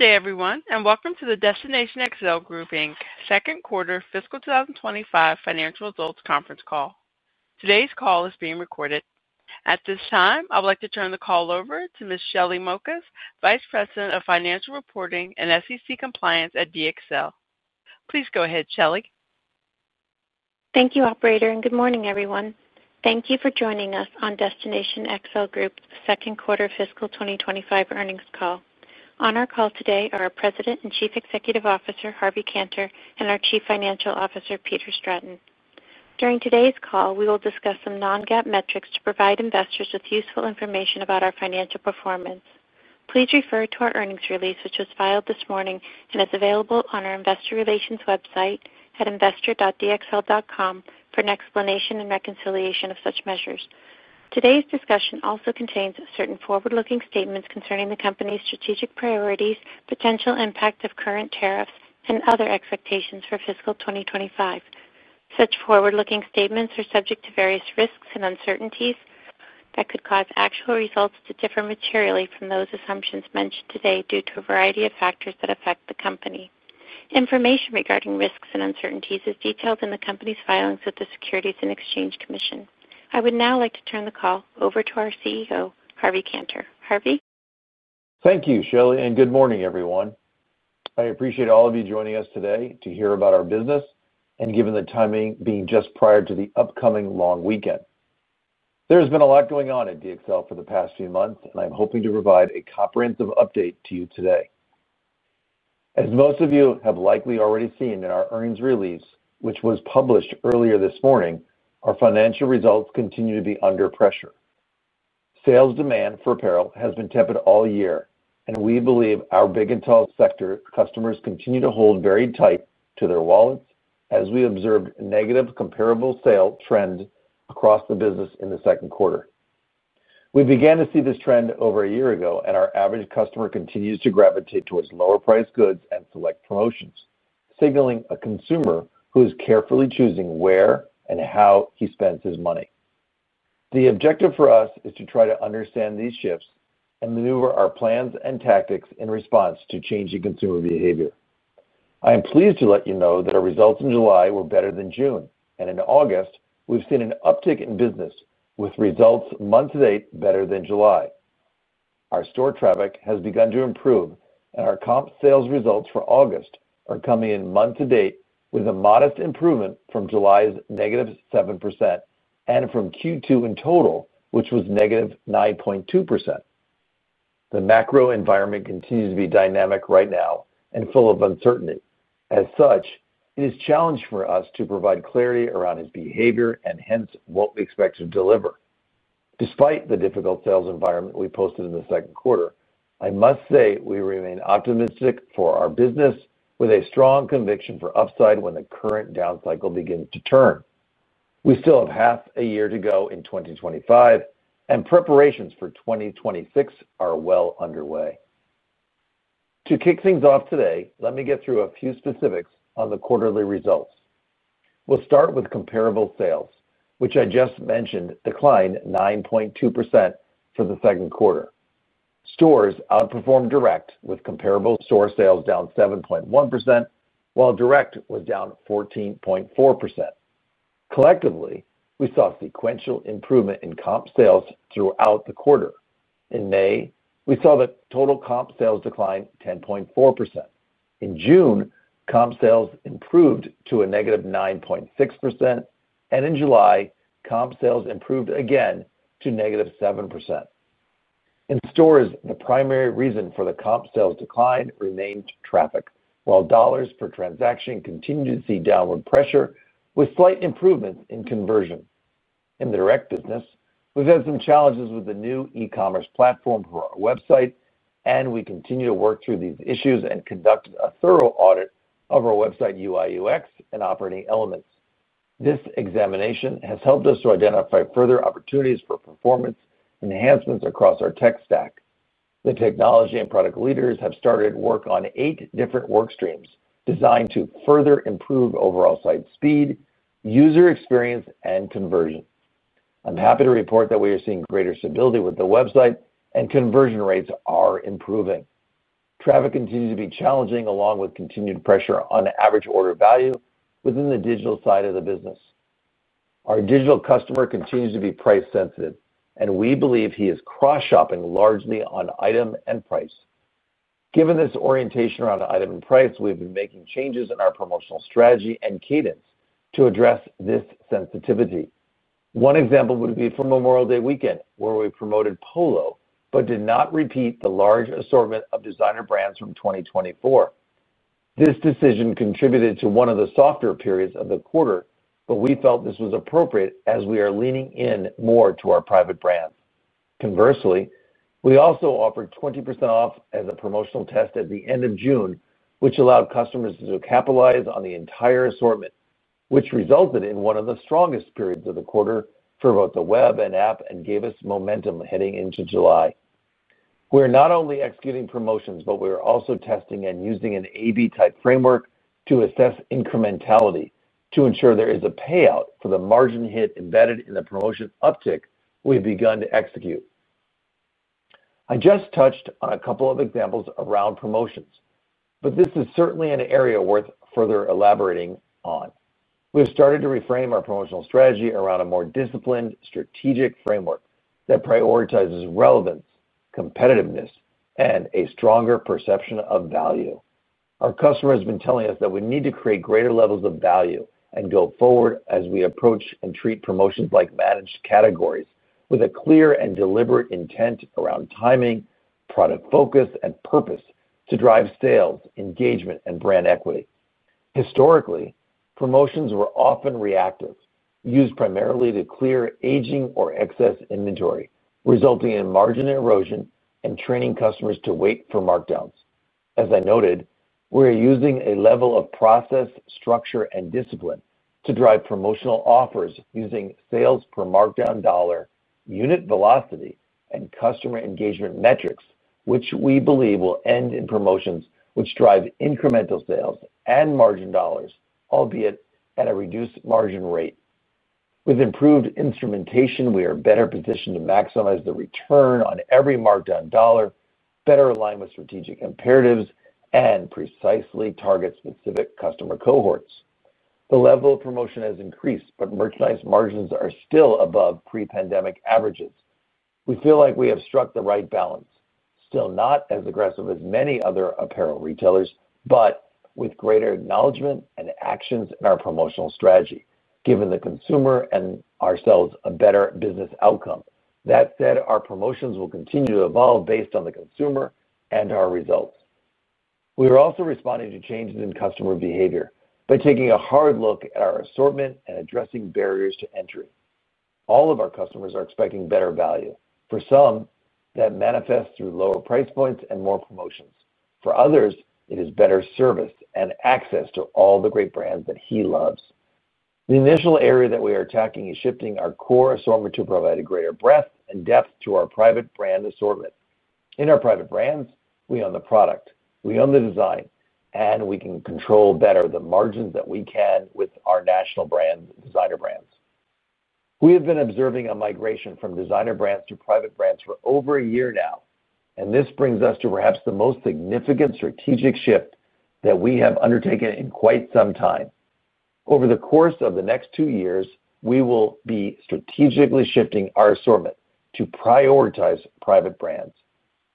Thank you, everyone, and welcome to the Destination XL Group Inc.'s Second Quarter Fiscal 2025 Financial Results Conference Call. Today's call is being recorded. At this time, I would like to turn the call over to Ms. Shelly Mokas, Vice President of Financial Reporting and SEC Compliance at DXL. Please go ahead, Shelly. Thank you, Operator, and good morning, everyone. Thank you for joining us on Destination XL Group Inc.'s Second Quarter Fiscal 2025 Earnings Call. On our call today are our President and Chief Executive Officer, Harvey Kanter, and our Chief Financial Officer, Peter Stratton. During today's call, we will discuss some non-GAAP metrics to provide investors with useful information about our financial performance. Please refer to our earnings release, which was filed this morning and is available on our investor relations website at investor.dxl.com for an explanation and reconciliation of such measures. Today's discussion also contains certain forward-looking statements concerning the company's strategic priorities, potential impact of current tariffs, and other expectations for fiscal 2025. Such forward-looking statements are subject to various risks and uncertainties that could cause actual results to differ materially from those assumptions mentioned today due to a variety of factors that affect the company. Information regarding risks and uncertainties is detailed in the company's filings with the Securities and Exchange Commission. I would now like to turn the call over to our CEO, Harvey Kanter. Harvey? Thank you, Shelly, and good morning, everyone. I appreciate all of you joining us today to hear about our business, given the timing being just prior to the upcoming long weekend. There has been a lot going on at DXL for the past few months, and I'm hoping to provide a comprehensive update to you today. As most of you have likely already seen in our earnings release, which was published earlier this morning, our financial results continue to be under pressure. Sales demand for apparel has been tepid all year, and we believe our big and tall sector customers continue to hold very tight to their wallets as we observed a negative comparable sales trend across the business in the second quarter. We began to see this trend over a year ago, and our average customer continues to gravitate towards lower-priced goods and select promotions, signaling a consumer who is carefully choosing where and how he spends his money. The objective for us is to try to understand these shifts and maneuver our plans and tactics in response to changing consumer behavior. I am pleased to let you know that our results in July were better than June, and in August, we've seen an uptick in business with results month-to-date better than July. Our store traffic has begun to improve, and our comp sales results for August are coming in month-to-date with a modest improvement from July's -7% and from Q2 in total, which was -9.2%. The macro environment continues to be dynamic right now and full of uncertainty. As such, it is a challenge for us to provide clarity around its behavior and hence what we expect to deliver. Despite the difficult sales environment we posted in the second quarter, I must say we remain optimistic for our business with a strong conviction for upside when the current down cycle begins to turn. We still have half a year to go in 2025, and preparations for 2026 are well underway. To kick things off today, let me get through a few specifics on the quarterly results. We'll start with comparable sales, which I just mentioned declined 9.2% for the second quarter. Stores outperformed direct with comparable store sales down 7.1%, while direct was down 14.4%. Collectively, we saw sequential improvement in comp sales throughout the quarter. In May, we saw the total comp sales decline 10.4%. In June, comp sales improved to -9.6%, and in July, comp sales improved again to -7%. In stores, the primary reason for the comp sales decline remained traffic, while dollars per transaction continued to see downward pressure with slight improvements in conversion. In the direct business, we've had some challenges with the new e-commerce platform for our website, and we continue to work through these issues and conduct a thorough audit of our website UI/UX and operating elements. This examination has helped us to identify further opportunities for performance enhancements across our tech stack. The technology and product leaders have started work on eight different work streams designed to further improve overall site speed, user experience, and conversion. I'm happy to report that we are seeing greater stability with the website, and conversion rates are improving. Traffic continues to be challenging along with continued pressure on average order value within the digital side of the business. Our digital customer continues to be price sensitive, and we believe he is cross-shopping largely on item and price. Given this orientation around item and price, we've been making changes in our promotional strategy and cadence to address this sensitivity. One example would be for Memorial Day weekend, where we promoted polo but did not repeat the large assortment of designer brands from 2024. This decision contributed to one of the softer periods of the quarter, but we felt this was appropriate as we are leaning in more to our private brand. Conversely, we also offered 20% off as a promotional test at the end of June, which allowed customers to capitalize on the entire assortment, which resulted in one of the strongest periods of the quarter for both the web and app and gave us momentum heading into July. We're not only executing promotions, but we are also testing and using an A/B type framework to assess incrementality to ensure there is a payout for the margin hit embedded in the promotion uptick we've begun to execute. I just touched on a couple of examples around promotions, but this is certainly an area worth further elaborating on. We've started to reframe our promotional strategy around a more disciplined, strategic framework that prioritizes relevance, competitiveness, and a stronger perception of value. Our customer has been telling us that we need to create greater levels of value and go forward as we approach and treat promotions like managed categories with a clear and deliberate intent around timing, product focus, and purpose to drive sales, engagement, and brand equity. Historically, promotions were often reactive, used primarily to clear aging or excess inventory, resulting in margin erosion and training customers to wait for markdowns. As I noted, we're using a level of process, structure, and discipline to drive promotional offers using sales per markdown dollar, unit velocity, and customer engagement metrics, which we believe will end in promotions which drive incremental sales and margin dollars, albeit at a reduced margin rate. With improved instrumentation, we are better positioned to maximize the return on every markdown dollar, better align with strategic imperatives, and precisely target specific customer cohorts. The level of promotion has increased, but merchandise margins are still above pre-pandemic averages. We feel like we have struck the right balance, still not as aggressive as many other apparel retailers, but with greater acknowledgement and actions in our promotional strategy, giving the consumer and ourselves a better business outcome. That said, our promotions will continue to evolve based on the consumer and our results. We are also responding to changes in customer behavior by taking a hard look at our assortment and addressing barriers to entry. All of our customers are expecting better value. For some, that manifests through lower price points and more promotions. For others, it is better service and access to all the great brands that he loves. The initial area that we are attacking is shifting our core assortment to provide a greater breadth and depth to our private brand assortment. In our private brands, we own the product, we own the design, and we can control better the margins that we can with our national brand designer brands. We have been observing a migration from designer brands to private brands for over a year now, and this brings us to perhaps the most significant strategic shift that we have undertaken in quite some time. Over the course of the next two years, we will be strategically shifting our assortment to prioritize private brands.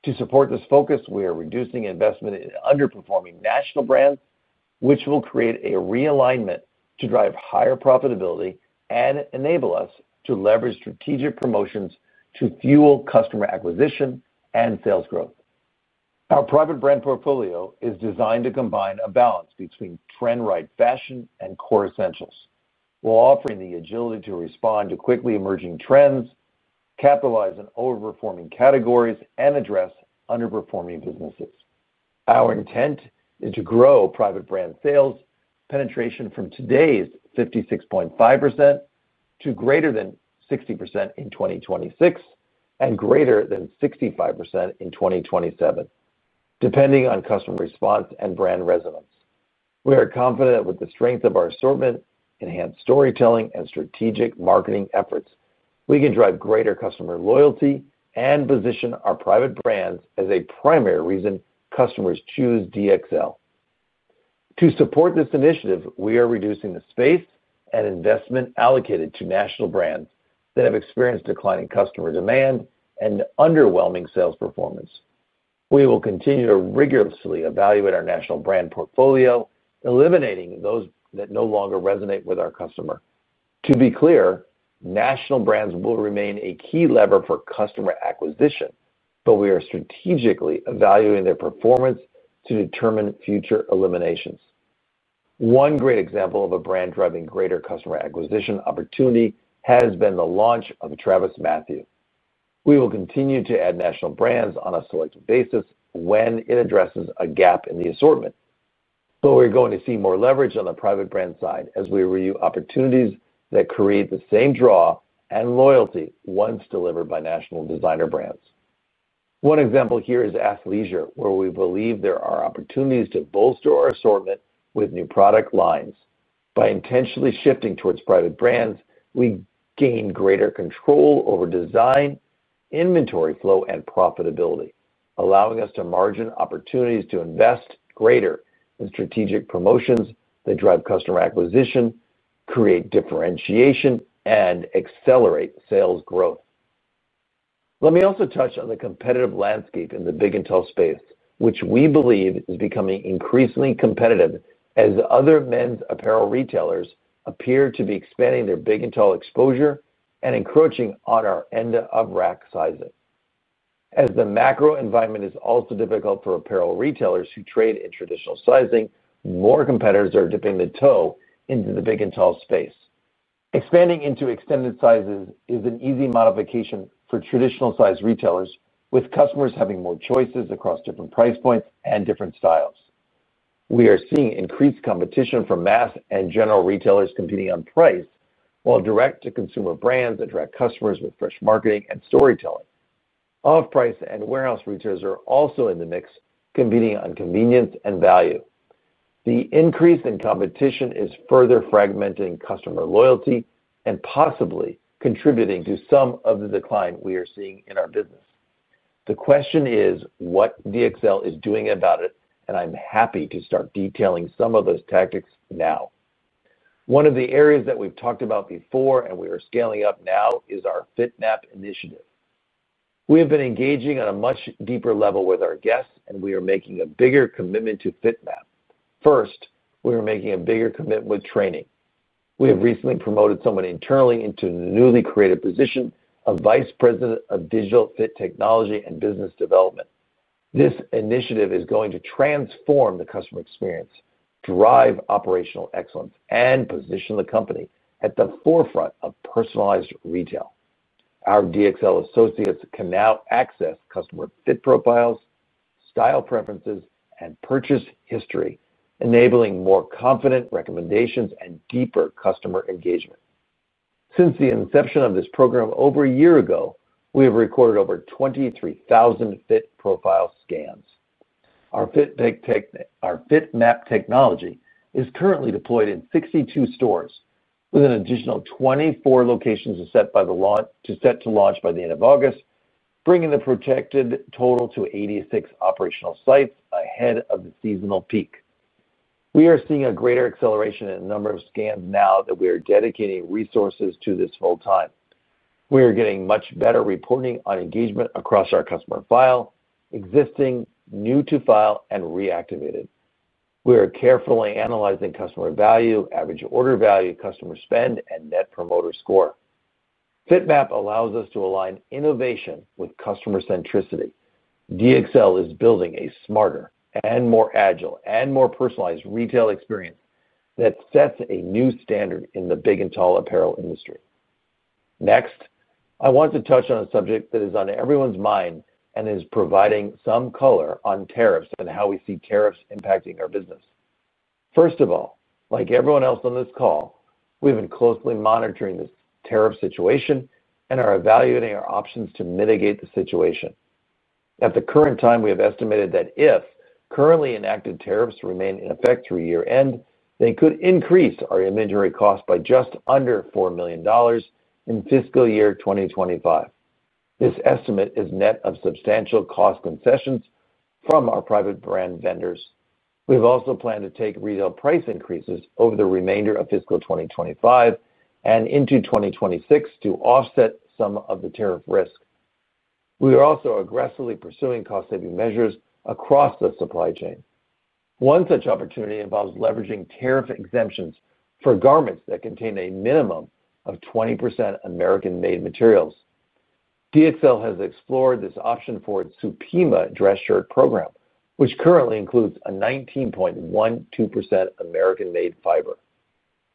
To support this focus, we are reducing investment in underperforming national brands, which will create a realignment to drive higher profitability and enable us to leverage strategic promotions to fuel customer acquisition and sales growth. Our private brand portfolio is designed to combine a balance between trend-right fashion and core essentials, while offering the agility to respond to quickly emerging trends, capitalize on overperforming categories, and address underperforming businesses. Our intent is to grow private brand sales penetration from today's 56.5% to greater than 60% in 2026 and greater than 65% in 2027, depending on customer response and brand resonance. We are confident with the strength of our assortment, enhanced storytelling, and strategic marketing efforts. We can drive greater customer loyalty and position our private brands as a primary reason customers choose DXL. To support this initiative, we are reducing the space and investment allocated to national brands that have experienced declining customer demand and underwhelming sales performance. We will continue to rigorously evaluate our national brand portfolio, eliminating those that no longer resonate with our customer. To be clear, national brands will remain a key lever for customer acquisition, but we are strategically evaluating their performance to determine future eliminations. One great example of a brand driving greater customer acquisition opportunity has been the launch of TravisMathew. We will continue to add national brands on a selected basis when it addresses a gap in the assortment, but we're going to see more leverage on the private brand side as we review opportunities that create the same draw and loyalty once delivered by national designer brands. One example here is Oak Hill, where we believe there are opportunities to bolster our assortment with new product lines. By intentionally shifting towards private brands, we gain greater control over design, inventory flow, and profitability, allowing us margin opportunities to invest greater in strategic promotions that drive customer acquisition, create differentiation, and accelerate sales growth. Let me also touch on the competitive landscape in the big and tall space, which we believe is becoming increasingly competitive as other men's apparel retailers appear to be expanding their big and tall exposure and encroaching on our end-of-rack sizing. As the macro environment is also difficult for apparel retailers who trade in traditional sizing, more competitors are dipping the toe into the big and tall space. Expanding into extended sizes is an easy modification for traditional size retailers, with customers having more choices across different price points and different styles. We are seeing increased competition from mass and general retailers competing on price, while direct-to-consumer brands attract customers with fresh marketing and storytelling. Off-price and warehouse retailers are also in the mix, competing on convenience and value. The increase in competition is further fragmenting customer loyalty and possibly contributing to some of the decline we are seeing in our business. The question is what DXL is doing about it, and I'm happy to start detailing some of those tactics now. One of the areas that we've talked about before, and we are scaling up now, is our FitMAP initiative. We have been engaging on a much deeper level with our guests, and we are making a bigger commitment to FitMAP. First, we are making a bigger commitment with training. We have recently promoted someone internally into a newly created position of Vice President of Digital Fit Technology and Business Development. This initiative is going to transform the customer experience, drive operational excellence, and position the company at the forefront of personalized retail. Our DXL associates can now access customer fit profiles, style preferences, and purchase history, enabling more confident recommendations and deeper customer engagement. Since the inception of this program over a year ago, we have recorded over 23,000 fit profile scans. Our FitMAP technology is currently deployed in 62 stores, with an additional 24 locations set to launch by the end of August, bringing the projected total to 86 operational sites ahead of the seasonal peak. We are seeing a greater acceleration in the number of scans now that we are dedicating resources to this full-time. We are getting much better reporting on engagement across our customer file, existing, new to file, and reactivated. We are carefully analyzing customer value, average order value, customer spend, and net promoter score. FitMAP allows us to align innovation with customer centricity. DXL is building a smarter and more agile and more personalized retail experience that sets a new standard in the big and tall apparel industry. Next, I want to touch on a subject that is on everyone's mind and is providing some color on tariffs and how we see tariffs impacting our business. First of all, like everyone else on this call, we've been closely monitoring the tariff situation and are evaluating our options to mitigate the situation. At the current time, we have estimated that if currently enacted tariffs remain in effect through year-end, they could increase our inventory costs by just under $4 million in fiscal year 2025. This estimate is net of substantial cost concessions from our private brand vendors. We've also planned to take retail price increases over the remainder of fiscal 2025 and into 2026 to offset some of the tariff risk. We are also aggressively pursuing cost-saving measures across the supply chain. One such opportunity involves leveraging tariff exemptions for garments that contain a minimum of 20% American-made materials. DXL has explored this option for its Supima dress shirt program, which currently includes a 19.12% American-made fiber.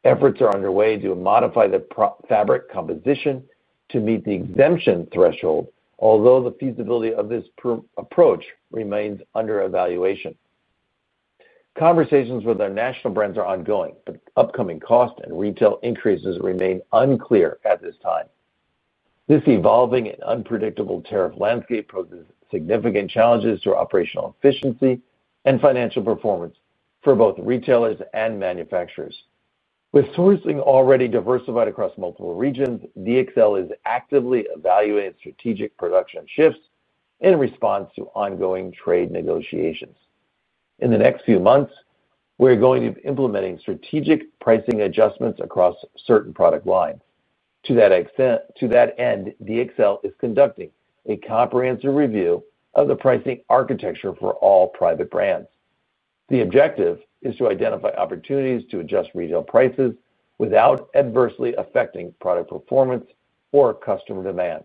Efforts are underway to modify the fabric composition to meet the exemption threshold, although the feasibility of this approach remains under evaluation. Conversations with our national brands are ongoing, but upcoming cost and retail increases remain unclear at this time. This evolving and unpredictable tariff landscape poses significant challenges to operational efficiency and financial performance for both retailers and manufacturers. With sourcing already diversified across multiple regions, DXL is actively evaluating strategic production shifts in response to ongoing trade negotiations. In the next few months, we're going to be implementing strategic pricing adjustments across certain product lines. To that end, DXL is conducting a comprehensive review of the pricing architecture for all private brands. The objective is to identify opportunities to adjust retail prices without adversely affecting product performance or customer demand.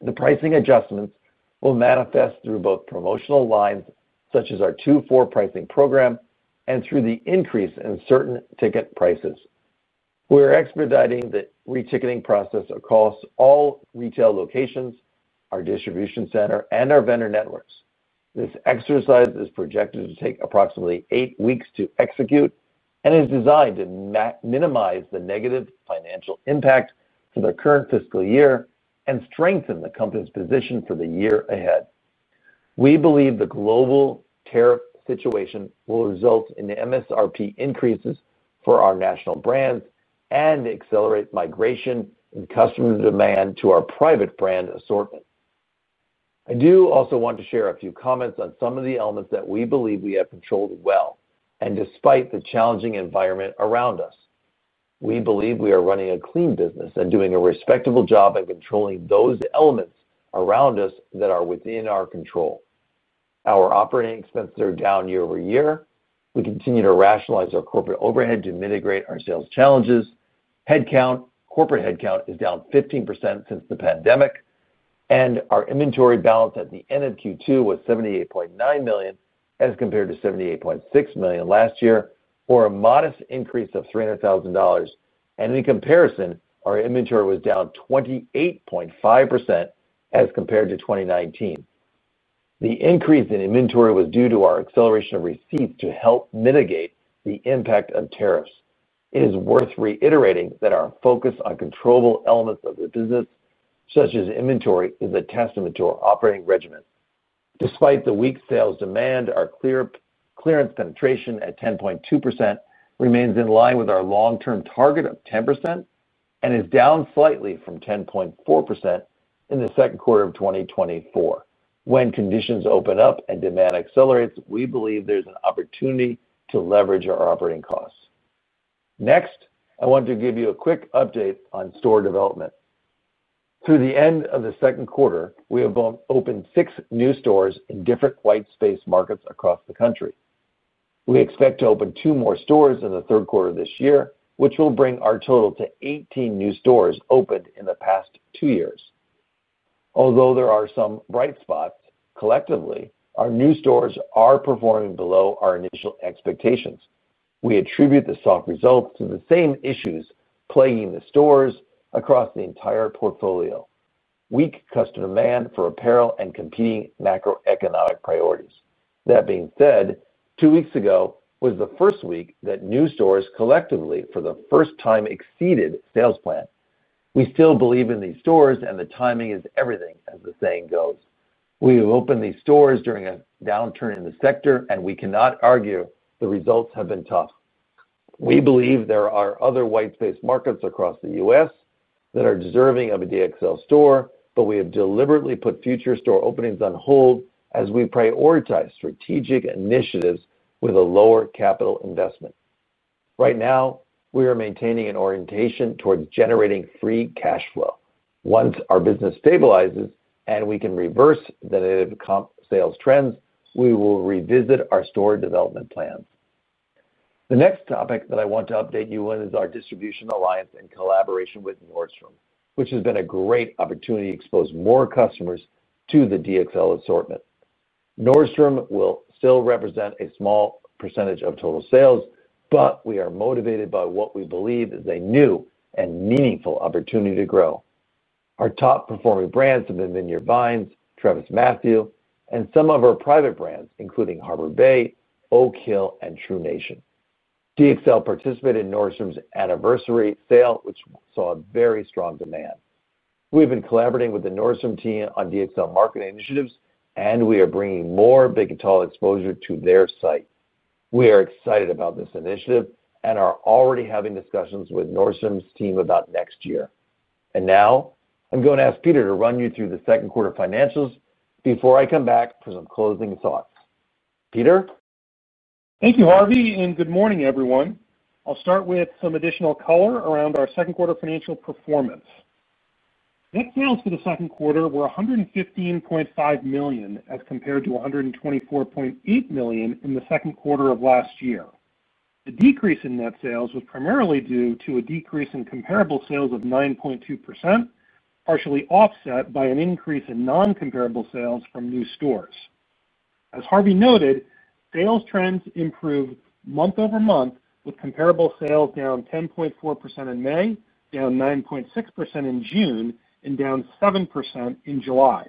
The pricing adjustments will manifest through both promotional lines, such as our 2/4 pricing program, and through the increase in certain ticket prices. We are expediting the reticketing process across all retail locations, our distribution center, and our vendor networks. This exercise is projected to take approximately eight weeks to execute and is designed to minimize the negative financial impact for the current fiscal year and strengthen the company's position for the year ahead. We believe the global tariff situation will result in MSRP increases for our national brands and accelerate migration and customer demand to our private brand assortment. I do also want to share a few comments on some of the elements that we believe we have controlled well, despite the challenging environment around us. We believe we are running a clean business and doing a respectable job in controlling those elements around us that are within our control. Our operating expenses are down year-over-year. We continue to rationalize our corporate overhead to mitigate our sales challenges. Headcount, corporate headcount is down 15% since the pandemic, and our inventory balance at the end of Q2 was $78.9 million as compared to $78.6 million last year, or a modest increase of $0.3 million. In comparison, our inventory was down 28.5% as compared to 2019. The increase in inventory was due to our acceleration of receipts to help mitigate the impact of tariffs. It is worth reiterating that our focus on controllable elements of the business, such as inventory, is a testament to our operating regimen. Despite the weak sales demand, our clearance penetration at 10.2% remains in line with our long-term target of 10% and is down slightly from 10.4% in the second quarter of 2024. When conditions open up and demand accelerates, we believe there's an opportunity to leverage our operating costs. Next, I want to give you a quick update on store development. Through the end of the second quarter, we have opened six new stores in different white space markets across the country. We expect to open two more stores in the third quarter of this year, which will bring our total to 18 new stores opened in the past two years. Although there are some bright spots, collectively, our new stores are performing below our initial expectations. We attribute the soft results to the same issues plaguing the stores across the entire portfolio: weak customer demand for apparel and competing macroeconomic priorities. That being said, two weeks ago was the first week that new stores collectively for the first time exceeded sales plan. We still believe in these stores, and the timing is everything, as the saying goes. We have opened these stores during a downturn in the sector, and we cannot argue the results have been tough. We believe there are other white space markets across the U.S. that are deserving of a DXL store, but we have deliberately put future store openings on hold as we prioritize strategic initiatives with a lower capital investment. Right now, we are maintaining an orientation toward generating free cash flow. Once our business stabilizes and we can reverse the negative comparable sales trends, we will revisit our store development plan. The next topic that I want to update you on is our distribution alliance and collaboration with Nordstrom, which has been a great opportunity to expose more customers to the DXL assortment. Nordstrom will still represent a small percentage of total sales, but we are motivated by what we believe is a new and meaningful opportunity to grow. Our top performing brands have been the nearby brands: TravisMathew and some of our private brands, including Harbor Bay, Oak Hill, and True Nation. DXL participated in Nordstrom's anniversary sale, which saw a very strong demand. We've been collaborating with the Nordstrom team on DXL marketing initiatives, and we are bringing more big and tall exposure to their site. We are excited about this initiative and are already having discussions with Nordstrom's team about next year. Now I'm going to ask Peter to run you through the second quarter financials before I come back for some closing thoughts. Peter? Thank you, Harvey, and good morning, everyone. I'll start with some additional color around our second quarter financial performance. Net sales for the second quarter were $115.5 million as compared to $124.8 million in the second quarter of last year. The decrease in net sales was primarily due to a decrease in comparable sales of 9.2%, partially offset by an increase in non-comparable sales from new stores. As Harvey noted, sales trends improved month over month, with comparable sales down 10.4% in May, down 9.6% in June, and down 7% in July.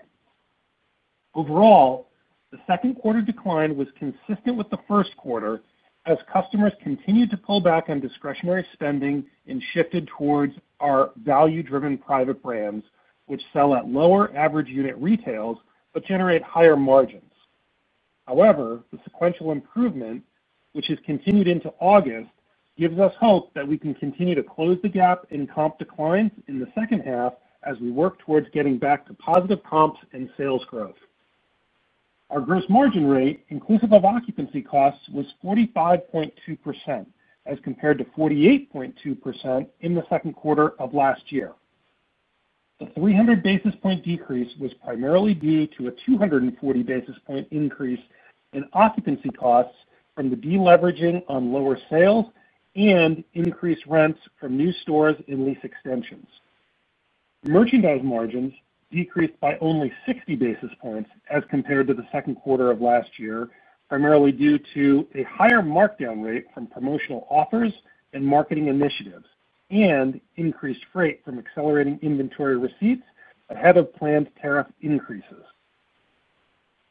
Overall, the second quarter decline was consistent with the First Quarter as customers continued to pull back on discretionary spending and shifted towards our value-driven private brands, which sell at lower average unit retails but generate higher margins. However, the sequential improvement, which has continued into August, gives us hope that we can continue to close the gap in comp declines in the second half as we work towards getting back to positive comps and sales growth. Our gross margin rate, inclusive of occupancy costs, was 45.2% as compared to 48.2% in the second quarter of last year. The 300 basis point decrease was primarily due to a 240 basis point increase in occupancy costs from the deleveraging on lower sales and increased rents from new stores and lease extensions. Merchandise margins decreased by only 60 basis points as compared to the second quarter of last year, primarily due to a higher markdown rate from promotional offers and marketing initiatives and increased freight from accelerating inventory receipts ahead of planned tariff increases.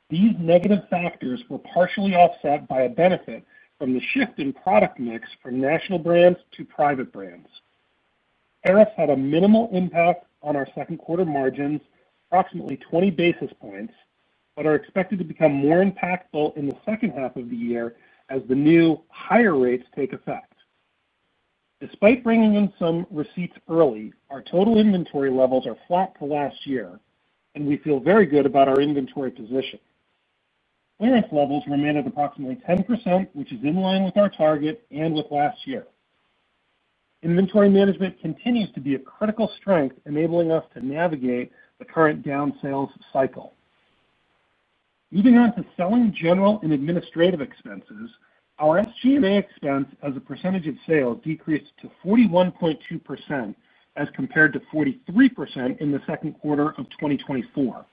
These negative factors were partially offset by a benefit from the shift in product mix from national brands to private brands. Tariffs had a minimal impact on our second quarter margins, approximately 20 basis points, but are expected to become more impactful in the second half of the year as the new higher rates take effect. Despite bringing in some receipts early, our total inventory levels are flat for last year, and we feel very good about our inventory position. Clearance levels remain at approximately 10%, which is in line with our target and with last year. Inventory management continues to be a critical strength, enabling us to navigate the current down sales cycle. Moving on to selling, general, and administrative expenses, our SG&A expense as a percentage of sales decreased to 41.2% as compared to 43% in the second quarter of 2024.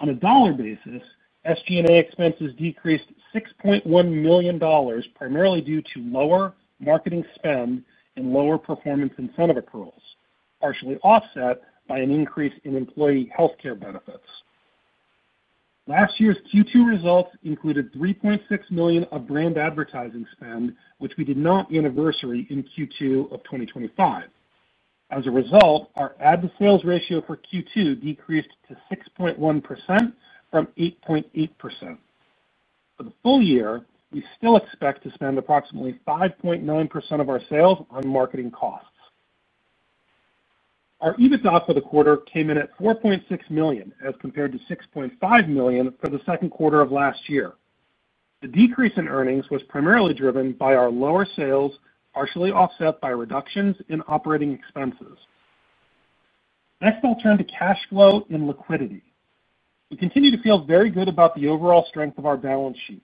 On a dollar basis, SG&A expenses decreased $6.1 million, primarily due to lower marketing spend and lower performance incentive accruals, partially offset by an increase in employee healthcare benefits. Last year's Q2 results included $3.6 million of brand advertising spend, which we did not anniversary in Q2 of 2025. As a result, our ad to sales ratio for Q2 decreased to 6.1% from 8.8%. For the full year, we still expect to spend approximately 5.9% of our sales on marketing costs. Our EBITDA for the quarter came in at $4.6 million as compared to $6.5 million for the second quarter of last year. The decrease in earnings was primarily driven by our lower sales, partially offset by reductions in operating expenses. Next, I'll turn to cash flow and liquidity. We continue to feel very good about the overall strength of our balance sheet.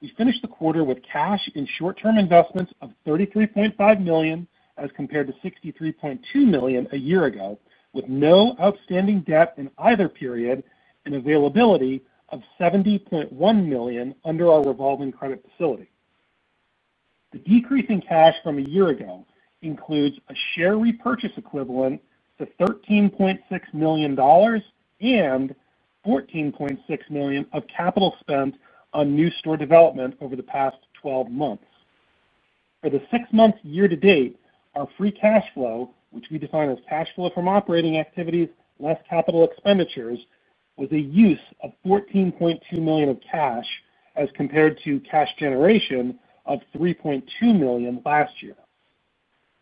We finished the quarter with cash in short-term investments of $33.5 million as compared to $63.2 million a year ago, with no outstanding debt in either period and availability of $70.1 million under our revolving credit facility. The decrease in cash from a year ago includes a share repurchase equivalent to $13.6 million and $14.6 million of capital spend on new store development over the past 12 months. For the six months year to date, our free cash flow, which we define as cash flow from operating activities, less capital expenditures, was a use of $14.2 million of cash as compared to cash generation of $3.2 million last year.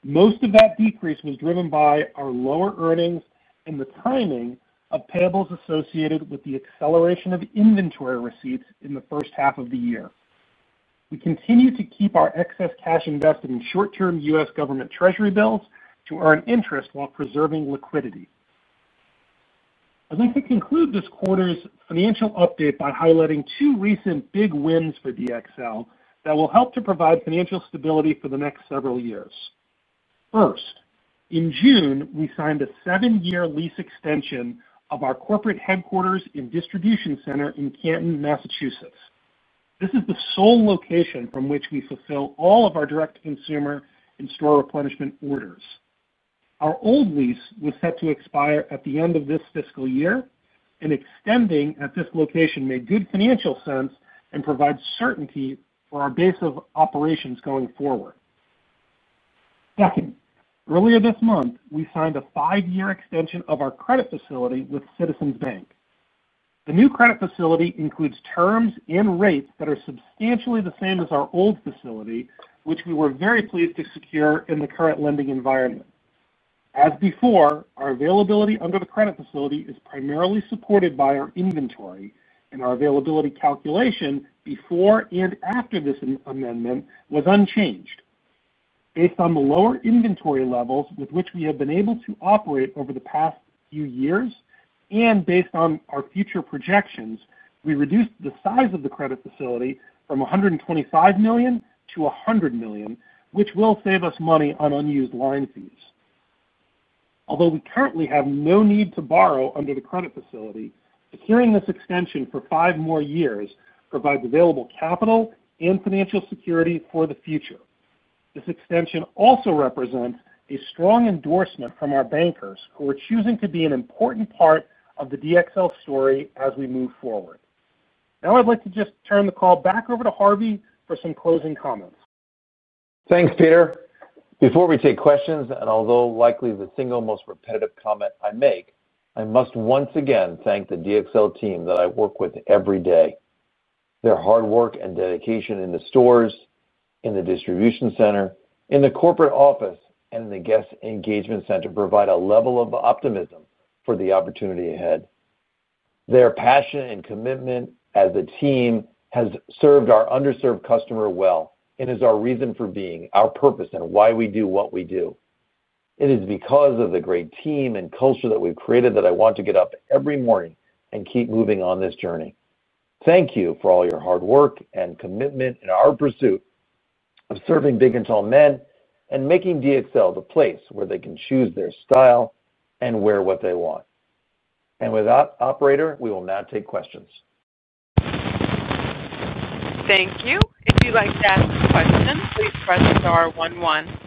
Most of that decrease was driven by our lower earnings and the timing of payables associated with the acceleration of inventory receipts in the first half of the year. We continue to keep our excess cash invested in short-term U.S. government treasury bills to earn interest while preserving liquidity. I'd like to conclude this quarter's financial update by highlighting two recent big wins for DXL that will help to provide financial stability for the next several years. First, in June, we signed a seven-year lease extension of our corporate headquarters and distribution center in Canton, Massachusetts. This is the sole location from which we fulfill all of our direct-to-consumer and store replenishment orders. Our old lease was set to expire at the end of this fiscal year, and extending at this location made good financial sense and provides certainty for our base of operations going forward. Second, earlier this month, we signed a five-year extension of our credit facility with Citizens Bank. The new credit facility includes terms and rates that are substantially the same as our old facility, which we were very pleased to secure in the current lending environment. As before, our availability under the credit facility is primarily supported by our inventory, and our availability calculation before and after this amendment was unchanged. Based on the lower inventory levels with which we have been able to operate over the past few years and based on our future projections, we reduced the size of the credit facility from $125 million-$100 million, which will save us money on unused line fees. Although we currently have no need to borrow under the credit facility, securing this extension for five more years provides available capital and financial security for the future. This extension also represents a strong endorsement from our bankers who are choosing to be an important part of the DXL story as we move forward. Now I'd like to just turn the call back over to Harvey for some closing comments. Thanks, Peter. Before we take questions, and although likely the single most repetitive comment I make, I must once again thank the DXL team that I work with every day. Their hard work and dedication in the stores, in the distribution center, in the corporate office, and in the guest engagement center provide a level of optimism for the opportunity ahead. Their passion and commitment as a team has served our underserved customer well and is our reason for being, our purpose, and why we do what we do. It is because of the great team and culture that we've created that I want to get up every morning and keep moving on this journey. Thank you for all your hard work and commitment in our pursuit of serving big and tall men and making DXL the place where they can choose their style and wear what they want. With that, Operator, we will now take questions. Thank you. If you'd like to ask questions, please press the star one.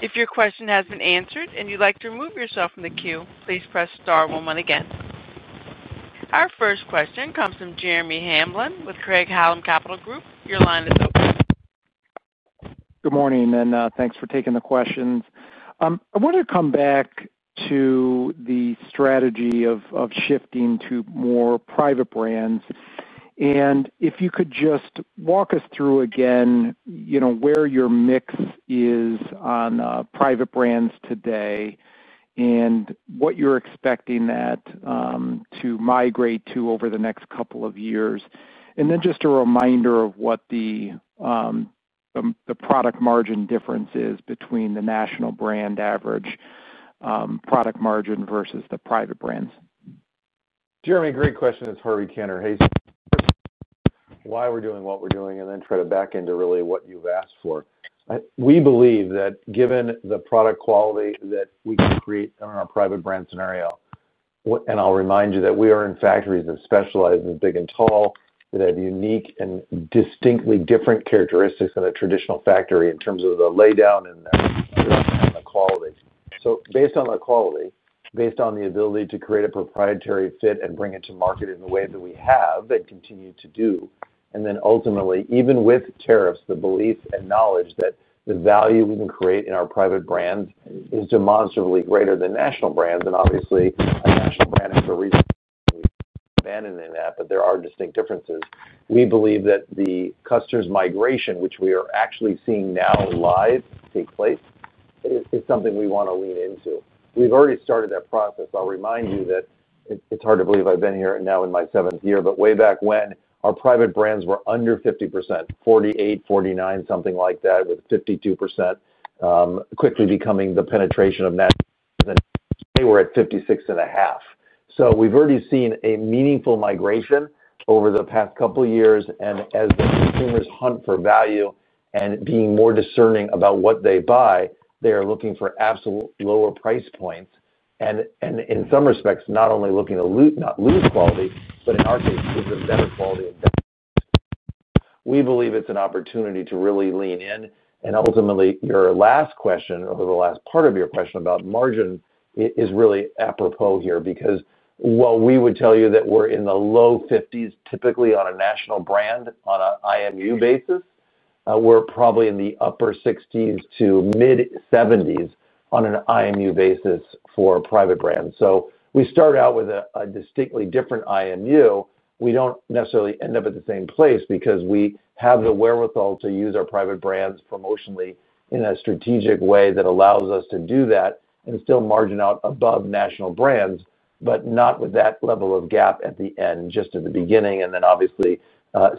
If your question has been answered and you'd like to remove yourself from the queue, please press star one one again. Our first question comes from Jeremy Hamblin with Craig-Hallum Capital Group. Your line is open. Good morning, and thanks for taking the questions. I want to come back to the strategy of shifting to more private brands. If you could just walk us through again, you know where your mix is on private brands today and what you're expecting that to migrate to over the next couple of years. Just a reminder of what the product margin difference is between the national brand average product margin versus the private brands. Jeremy, great question. It's Harvey Kanter. Why we're doing what we're doing and then try to back into really what you've asked for. We believe that given the product quality that we can create in our private brand scenario, and I'll remind you that we are in factories that specialize in big and tall, that have unique and distinctly different characteristics than a traditional factory in terms of the lay down and the quality. Based on the quality, based on the ability to create a proprietary fit and bring it to market in the way that we have and continue to do, and then ultimately, even with tariffs, the belief and knowledge that the value we can create in our private brand is demonstrably greater than national brands, and obviously a national brand has a reason to abandon that, but there are distinct differences. We believe that the customer's migration, which we are actually seeing now live take place, is something we want to lean into. We've already started that process. I'll remind you that it's hard to believe I've been here now in my seventh year, but way back when our private brands were under 50%, 48%, 49%, something like that, with 52% quickly becoming the penetration of net. Then they were at 56.5%. We've already seen a meaningful migration over the past couple of years, and as consumers hunt for value and being more discerning about what they buy, they are looking for absolute lower price points. In some respects, not only looking to lose quality, but in our case, it's a better quality. We believe it's an opportunity to really lean in. Ultimately, your last question over the last part of your question about margin is really apropos here because while we would tell you that we're in the low 50s typically on a national brand on an IMU basis, we're probably in the upper 60s to mid 70s on an IMU basis for private brands. We start out with a distinctly different IMU. We don't necessarily end up at the same place because we have the wherewithal to use our private brands promotionally in a strategic way that allows us to do that and still margin out above national brands, but not with that level of gap at the end, just at the beginning. Obviously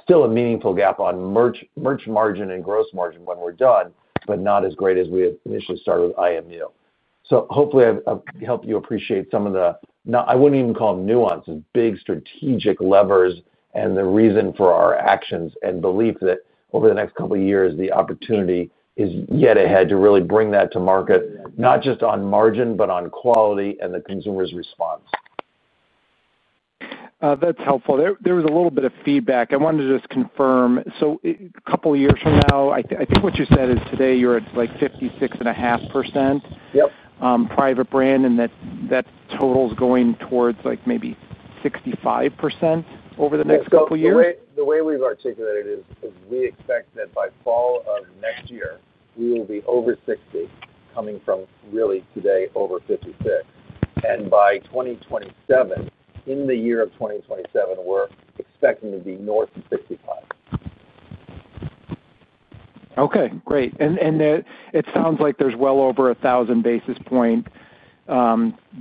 still a meaningful gap on merch margin and gross margin when we're done, but not as great as we had initially started with IMU. Hopefully I've helped you appreciate some of the, I wouldn't even call them nuances, big strategic levers and the reason for our actions and belief that over the next couple of years, the opportunity is yet ahead to really bring that to market, not just on margin, but on quality and the consumer's response. That's helpful. There was a little bit of feedback. I wanted to just confirm. A couple of years from now, I think what you said is today you're at like 56.5% private brand and that total is going towards like maybe 65% over the next couple of years. The way we've articulated it is we expect that by fall of next year, we will be over 60, coming from really today over 56. By 2027, in the year of 2027, we're expecting to be north of 50. Okay, great. It sounds like there's well over a 1,000 basis point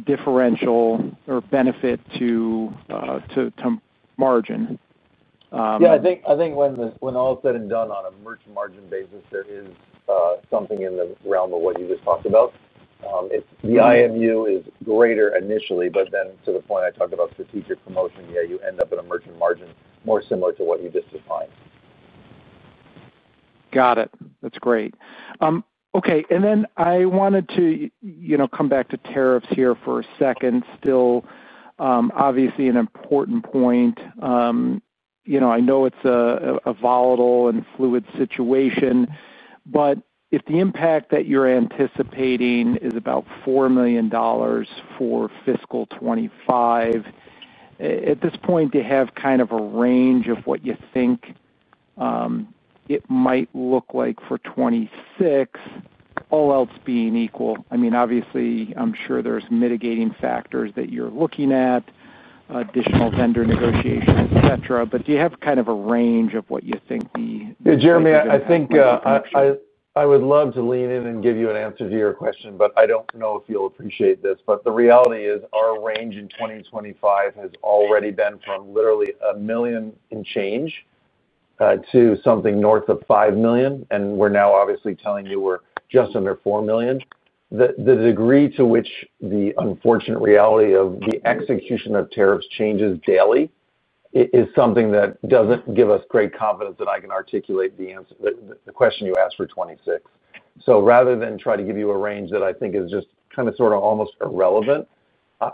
differential or benefit to margin. Yeah, I think when all is said and done on a merchant margin basis, there is something in the realm of what you just talked about. The initial markup is greater initially, but then to the point I talked about strategic promotion, you end up in a merchant margin more similar to what you just defined. Got it. That's great. Okay, I wanted to come back to tariffs here for a second. Still, obviously an important point. I know it's a volatile and fluid situation, but if the impact that you're anticipating is about $4 million for fiscal 2025, at this point, do you have kind of a range of what you think it might look like for 2026, all else being equal? I mean, obviously, I'm sure there's mitigating factors that you're looking at, additional vendor negotiation, et cetera, but do you have kind of a range of what you think the... Jeremy, I think I would love to lean in and give you an answer to your question, but I don't know if you'll appreciate this, but the reality is our range in 2025 has already been from literally $1 million and change to something north of $5 million, and we're now obviously telling you we're just under $4 million. The degree to which the unfortunate reality of the execution of tariffs changes daily is something that doesn't give us great confidence that I can articulate the answer, the question you asked for 2026. Rather than try to give you a range that I think is just kind of sort of almost irrelevant,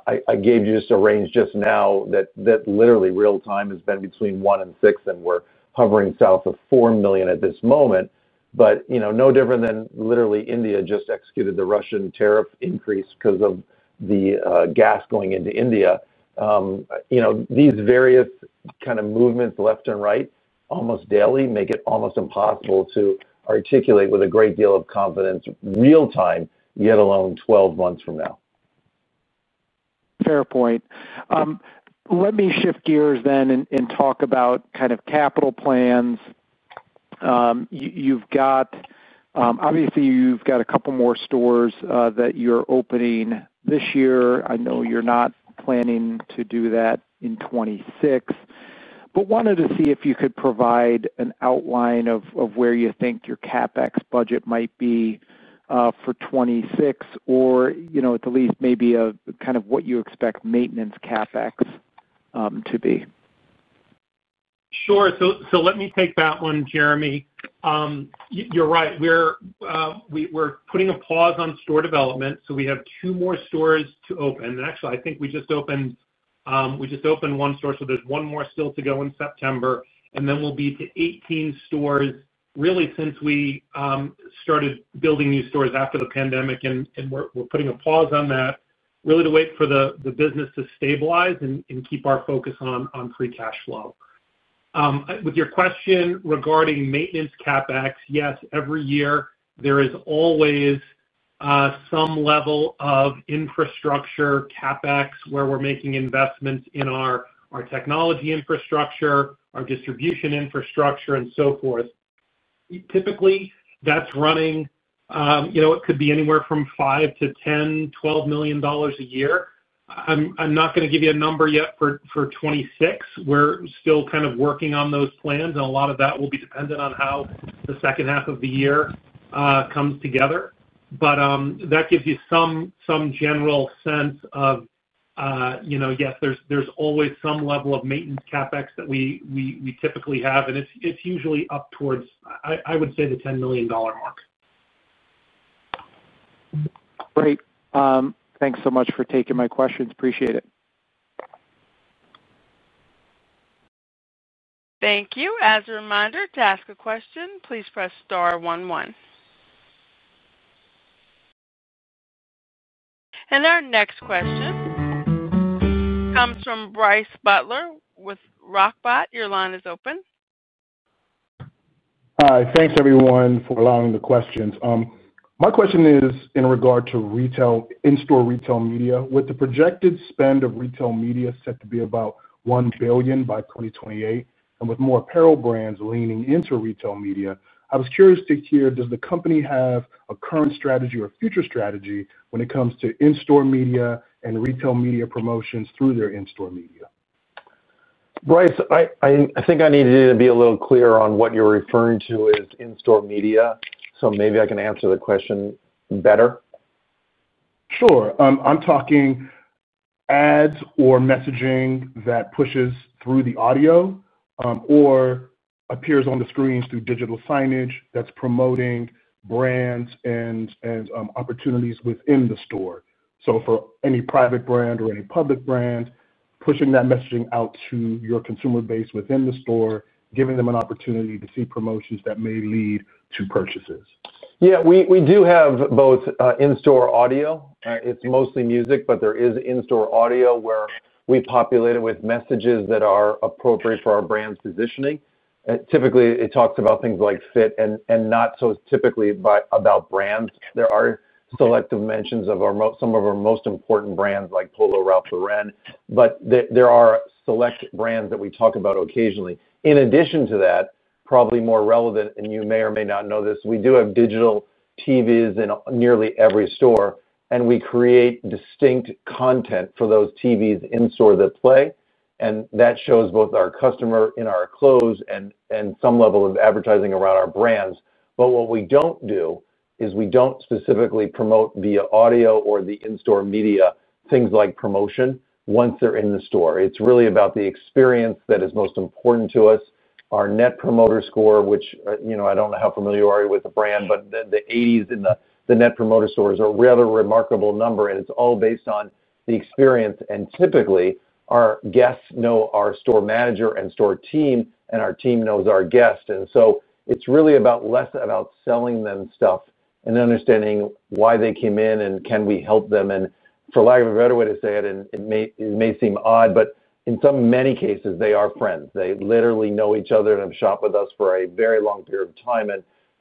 I gave you just a range just now that literally real-time has been between $1 million and $6 million, and we're hovering south of $4 million at this moment. You know, no different than literally India just executed the Russian tariff increase because of the gas going into India. These various kind of movements left and right almost daily make it almost impossible to articulate with a great deal of confidence real-time, yet alone 12 months from now. Fair point. Let me shift gears then and talk about kind of capital plans. You've got, obviously, you've got a couple more stores that you're opening this year. I know you're not planning to do that in 2026, but wanted to see if you could provide an outline of where you think your CapEx budget might be for 2026 or, you know, at the least maybe kind of what you expect maintenance CapEx to be. Sure. Let me take that one, Jeremy. You're right. We're putting a pause on store development, so we have two more stores to open. Actually, I think we just opened one store, so there's one more still to go in September. We'll be to 18 stores really since we started building these stores after the pandemic, and we're putting a pause on that really to wait for the business to stabilize and keep our focus on free cash flow. With your question regarding maintenance CapEx, yes, every year there is always some level of infrastructure CapEx where we're making investments in our technology infrastructure, our distribution infrastructure, and so forth. Typically, that's running, you know, it could be anywhere from $5 million-$10 million, $12 million a year. I'm not going to give you a number yet for 2026. We're still kind of working on those plans, and a lot of that will be dependent on how the second half of the year comes together. That gives you some general sense of, you know, yes, there's always some level of maintenance CapEx that we typically have, and it's usually up towards, I would say, the $10 million mark. Great. Thanks so much for taking my questions. Appreciate it. Thank you. As a reminder, to ask a question, please press star one one. Our next question comes from Bryce Butler with Rockbot. Your line is open. Thanks, everyone, for allowing the questions. My question is in regard to in-store retail media. With the projected spend of retail media set to be about $1 billion by 2028, and with more apparel brands leaning into retail media, I was curious to hear, does the company have a current strategy or future strategy when it comes to in-store media and retail media promotions through their in-store media? Bryce, I think I need you to be a little clearer on what you're referring to as in-store media, so maybe I can answer the question better. Sure. I'm talking ads or messaging that pushes through the audio or appears on the screens through digital signage that's promoting brands and opportunities within the store. For any private brand or any public brand, pushing that messaging out to your consumer base within the store gives them an opportunity to see promotions that may lead to purchases. Yeah, we do have both in-store audio. It's mostly music, but there is in-store audio where we populate it with messages that are appropriate for our brand's positioning. Typically, it talks about things like fit and not so typically about brands. There are selective mentions of some of our most important brands like Polo, Ralph Lauren, but there are select brands that we talk about occasionally. In addition to that, probably more relevant, and you may or may not know this, we do have digital TVs in nearly every store, and we create distinct content for those TVs in-store that play, and that shows both our customer in our clothes and some level of advertising around our brands. What we don't do is we don't specifically promote via audio or the in-store media things like promotion once they're in the store. It's really about the experience that is most important to us. Our net promoter score, which you know I don't know how familiar you are with the brand, but the 80s in the net promoter score is a rather remarkable number, and it's all based on the experience. Typically, our guests know our Store Manager and store team, and our team knows our guest. It's really less about selling them stuff and understanding why they came in and can we help them. For lack of a better way to say it, it may seem odd, but in so many cases, they are friends. They literally know each other and have shopped with us for a very long period of time.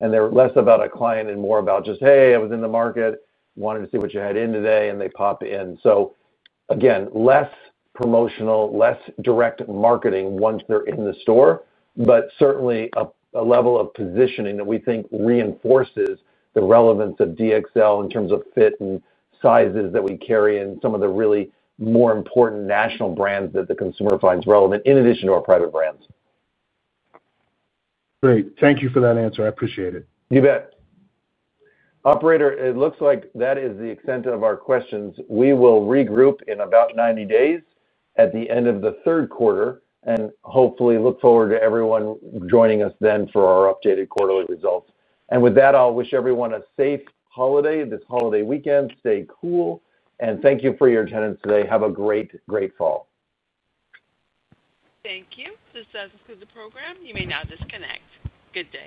They're less about a client and more about just, "Hey, I was in the market, wanted to see what you had in today," and they pop in. Again, less promotional, less direct marketing once they're in the store, but certainly a level of positioning that we think reinforces the relevance of DXL in terms of fit and sizes that we carry in some of the really more important national brands that the consumer finds relevant in addition to our private brands. Great. Thank you for that answer. I appreciate it. You bet. Operator, it looks like that is the extent of our questions. We will regroup in about 90 days at the end of the third quarter and hopefully look forward to everyone joining us then for our updated quarterly results. With that, I'll wish everyone a safe holiday this holiday weekend. Stay cool, and thank you for your attendance today. Have a great, great fall. Thank you. This does conclude the program. You may now disconnect. Good day.